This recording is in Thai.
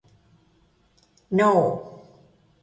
โน้ววววววววววววววววววว